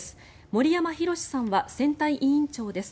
森山裕さんは選対委員長です。